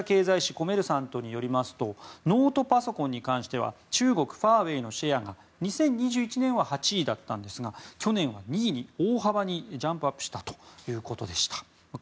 コメルサントによりますとノートパソコンに関しては中国ファーウェイのシェアが２０２１年は８位だったんですが去年は２位に大幅にジャンプアップしたということです。